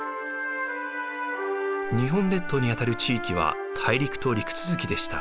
日本列島にあたる地域は大陸と陸続きでした。